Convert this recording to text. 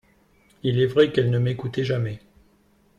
Il est vrai qu'elle ne m'écoutait jamais.